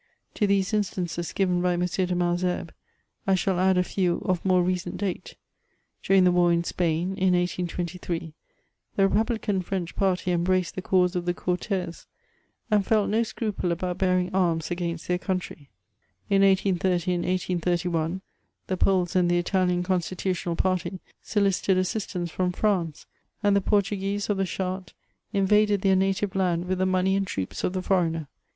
To these instances given by M. de Malesherbes, I shall add a few of more recent date : during the war in Spain, in 1823, the republican French party embraced the cause of the Cortes, and felt no semple about bearing arms against their cbuntiy; in 1830 and 1831, the Poles and the Italian constitutional party solicited assistance from France ; and the Portuguese of the charte invaded their native land with the money and troops of the foreigner.